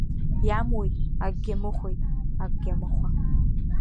Иамуит, акгьы амыхәеит, акгьы амыхәа…